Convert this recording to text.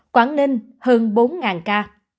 quảng ninh hơn bốn ca